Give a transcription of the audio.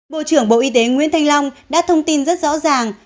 bộ trưởng bộ y tế nguyễn thanh long đã thông tin rất rõ ràng